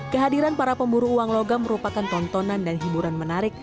kehadiran para pemburu uang logam merupakan tontonan dan hiburan menarik